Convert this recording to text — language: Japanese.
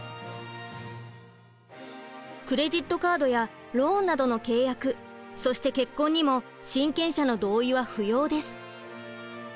クレジットカードやローンなどの契約そして結婚にも親権者の同意は不要です。